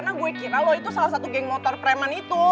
karena gue kira lo itu salah satu geng motor preman itu